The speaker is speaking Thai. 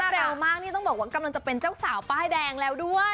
เร็วมากนี่ต้องบอกว่ากำลังจะเป็นเจ้าสาวป้ายแดงแล้วด้วย